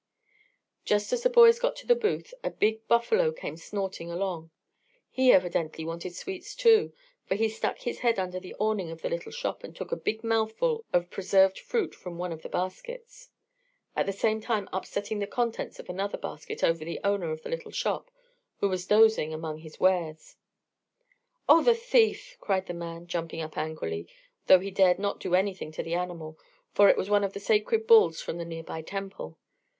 Just as the boys got to the booth, a big bull buffalo came snorting along. He evidently wanted sweets, too, for he stuck his head under the awning of the little shop and took a big mouthful of preserved fruit from one of the baskets, at the same time upsetting the contents of another basket over the owner of the little shop, who was dozing among his wares. [Illustration: BUYING SWEETS IN THE BAZAAR.] "Oh, the thief!" cried the man, jumping up angrily, though he dared not do anything to the animal; for it was one of the sacred bulls from a near by temple.